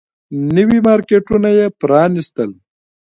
نوي مارکيټونه يې پرانيستل.